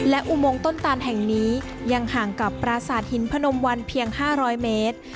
และอุโมงต้นตานแห่งนี้ยังห่างกับปราสาทหินพนมวันเพียง๕๐๐เมตร